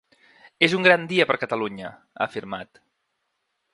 “És un gran dia per Catalunya”, ha afirmat.